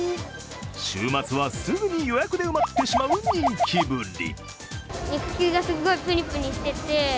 週末はすぐに予約で埋まってしまう人気ぶり。